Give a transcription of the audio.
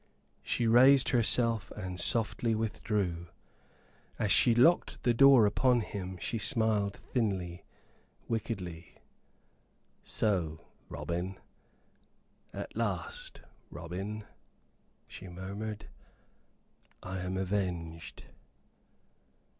She raised herself and softly withdrew. As she locked the door upon him she smiled thinly, wickedly. "So, Robin at last, Robin," she murmured, "I am avenged."